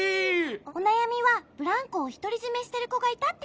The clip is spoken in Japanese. おなやみはブランコをひとりじめしてるこがいたってことね。